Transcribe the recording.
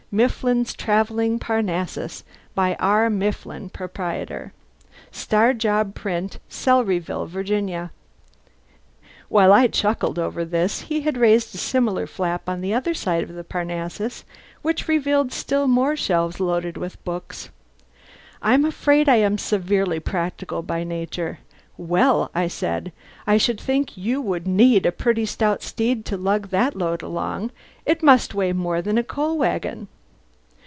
MIFFLIN'S TRAVELLING PARNASSUS By R. Mifflin, Prop'r. Star Job Print, Celeryville, Va. While I was chuckling over this, he had raised a similar flap on the other side of the Parnassus which revealed still more shelves loaded with books. I'm afraid I am severely practical by nature. "Well!" I said, "I should think you would need a pretty stout steed to lug that load along. It must weigh more than a coal wagon."